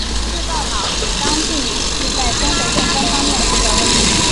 据报道张继禹是在生活作风方面出了问题。